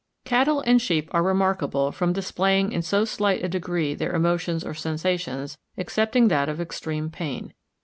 —Cattle and sheep are remarkable from displaying in so slight a degree their emotions or sensations, excepting that of extreme pain.